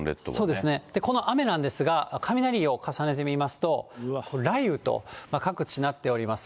そうですね、この雨なんですが、雷を重ねてみますと、雷雨と各地なっております。